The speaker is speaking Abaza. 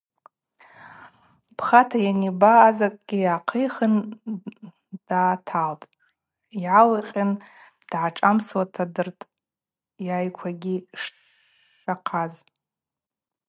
Пхата йаниба азакӏгьи ахъихын дгӏаталтӏ, йагӏвикъын дгӏашӏамсуата дыртӏ, йайквагьи шахъаз.